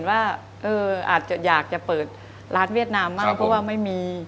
ว่าอาจจะอยากจะเปิดร้านเวียดนามบ้างเพราะว่าไม่มี